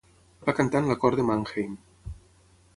Va cantar en la cort de Mannheim.